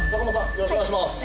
よろしくお願いします